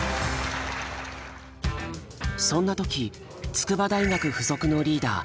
そんな時筑波大学附属のリーダー